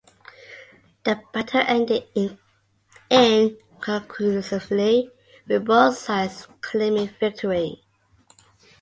The battle ended inconclusively, with both sides claiming victory.